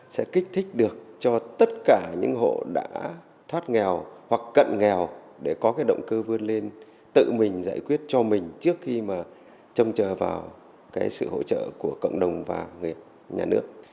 sẽ kích thích được cho tất cả những hộ đã thoát nghèo hoặc cận nghèo để có cái động cơ vươn lên tự mình giải quyết cho mình trước khi mà trông chờ vào cái sự hỗ trợ của cộng đồng và nhà nước